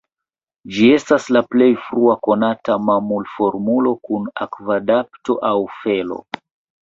Ĝi estas la plej frua konata mamulformulo kun akvadapto aŭ felo.